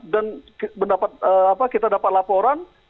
dan kita dapat laporan